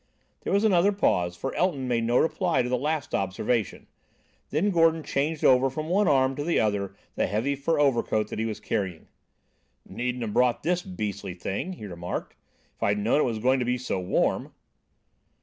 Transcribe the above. There was another pause, for Elton made no reply to the last observation; then Gordon changed over from one arm to the other the heavy fur overcoat that he was carrying. "Needn't have brought this beastly thing," he remarked, "if I'd known it was going to be so warm."